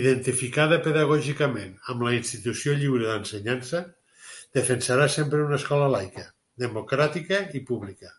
Identificada pedagògicament amb la Institució Lliure d'Ensenyança, defensarà sempre una escola laica, democràtica i pública.